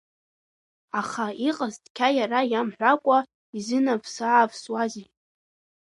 Аха иҟаз цқьа иара иамҳәакәа изынавсаавсуази?